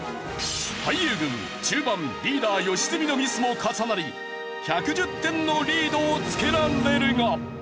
俳優軍中盤リーダー良純のミスも重なり１１０点のリードをつけられるが。